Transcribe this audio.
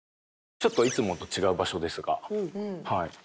ちょっといつもと違う場所ですが。